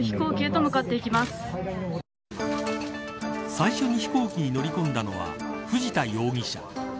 最初に飛行機に乗り込んだのは藤田容疑者。